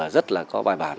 rất là có bài bán